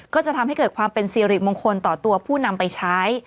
ก็จะทำให้เกิดความเป็นสิริมงคลต่อตัวผู้นำไปใช้